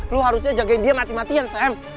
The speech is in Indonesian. lo harusnya jagain dia mati matian sam